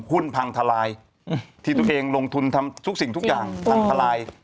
หุ้นพังทลายที่ตัวเองลงทุนทำทุกสิ่งทุกอย่างพังทลาย